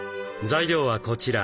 材料はこちら。